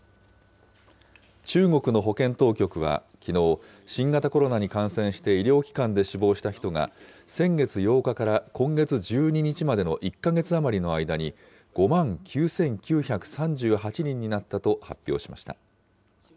中国の保健当局はきのう、新型コロナに感染して医療機関で死亡した人が、先月８日から今月１２日までの１か月余りの間に、５万９９３８人になったと発表しました。